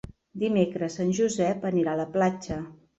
Dimecres en Josep anirà a la platja.